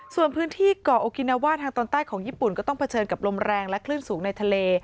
ส่วนพื้นที่เกาะโอกินาว่าทางตอนใต้ของญี่ปุ่นก็ต้องเผชิญกับลมแรงและคลื่นสูงในทะเล